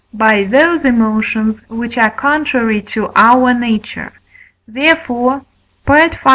by those emotions which are contrary to our nature; therefore (V.